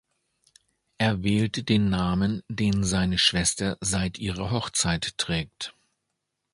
Er wählte den Namen, den seine Schwester seit ihrer Hochzeit trägt.